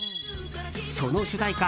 その主題歌